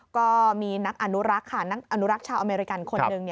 ก็มีนักอนุรักษ์ค่ะนักอนุรักษ์ชาวอเมริกันคนหนึ่ง